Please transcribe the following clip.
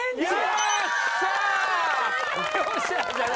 よっしゃーじゃない。